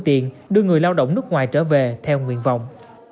tiền đưa người lao động nước ngoài trở về theo nguyện vọng